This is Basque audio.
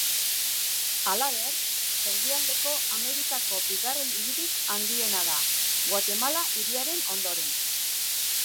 Halaber, Erdialdeko Amerikako bigarren hiririk handiena da, Guatemala Hiriaren ondoren.